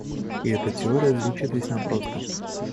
И эта теория звучит весьма просто.